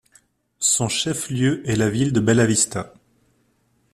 Son chef-lieu est la ville de Bellavista.